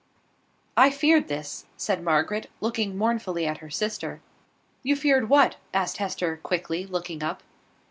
"I feared this," said Margaret, looking mournfully at her sister. "You feared what?" asked Hester, quickly, looking up.